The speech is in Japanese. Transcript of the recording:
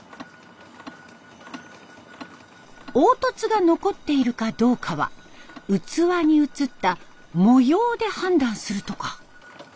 凹凸が残っているかどうかは器に映った模様で判断するとか。